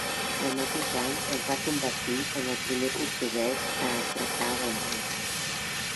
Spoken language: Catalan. El mateix any es va convertir en el primer portuguès a atracar a Bombai.